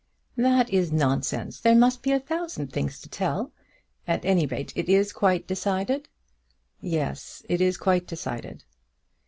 "That is nonsense. There must be a thousand things to tell. At any rate it is quite decided?" "Yes; it is quite decided."